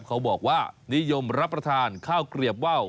เขาบอกว่านิยมรับประทานข้าวเกลียบว่าว